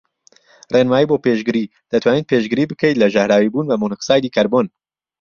ڕێنمایی بۆ پێشگری:دەتوانیت پێشگری بکەیت لە ژەهراویبوون بە مۆنۆکسایدی کەربۆن